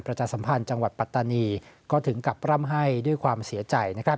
สัมพันธ์จังหวัดปัตตานีก็ถึงกับร่ำให้ด้วยความเสียใจ